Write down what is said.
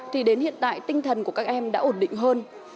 thì đến hiện tại tinh thần của các em đã ổn định hơn